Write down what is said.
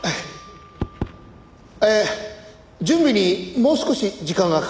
「えー準備にもう少し時間がかかります」